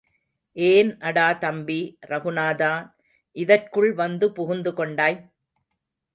ஏன் அடா தம்பி, ரகுநாதா, இதற்குள் வந்து புகுந்து கொண்டாய்?